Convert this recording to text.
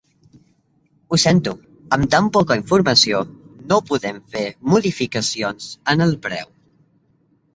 Ho sento, amb tan poca informació no podem fer modificacions en el preu.